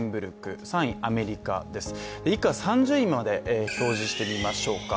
以下３０位まで表示してみましょうか。